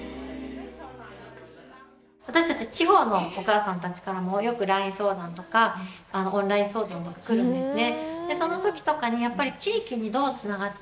私たち地方のお母さんたちからもよくＬＩＮＥ相談とかオンライン相談とか来るんですね。